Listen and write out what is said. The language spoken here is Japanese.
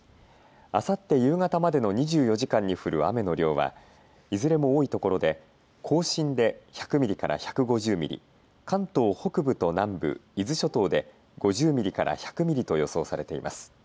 あさって夕方までの２４時間に降る雨の量はいずれも多いところで甲信で１００ミリから１５０ミリ、関東北部と南部、伊豆諸島で５０ミリから１００ミリと予想されています。